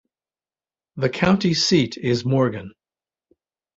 The county seat is Morgan.